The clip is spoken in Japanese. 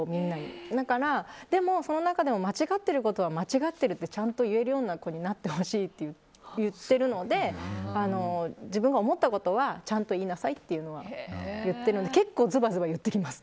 だから、でもその中でも間違っていることは間違っているってちゃんと言える人になってほしいって言っているので自分が思ったことはちゃんと言いなさいというのは言ってるので結構ずばずば言ってきます